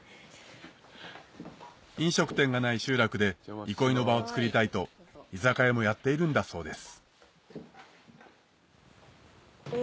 飲食店がない集落で憩いの場をつくりたいと居酒屋もやっているんだそうです